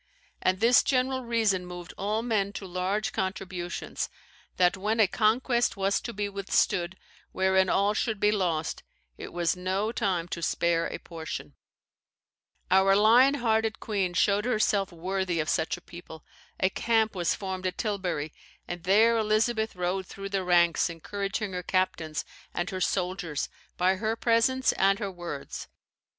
And this general reason moved all men to large contributions, that when a conquest was to be withstood wherein all should be lost, it was no time to spare a portion." [Copy of contemporary letter in the Harleian Collection, quoted by Southey.] Our lion hearted queen showed herself worthy of such a people. A camp was formed at Tilbury; and there Elizabeth rode through the ranks, encouraging her captains and her soldiers by her presence and her words.